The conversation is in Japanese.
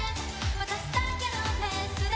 「私だけのペースで」